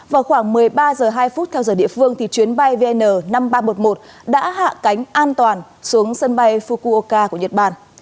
vào khoảng một mươi ba h hai theo giờ địa phương chuyến bay vn năm nghìn ba trăm một mươi một đã hạ cánh an toàn xuống sân bay fukuoka của nhật bản